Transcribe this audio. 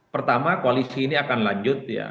pertama koalisi ini akan lanjut ya